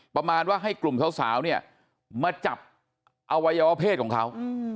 ประมาณว่าให้กลุ่มสาวเนี่ยมาจับอวัยวะเพศของเขา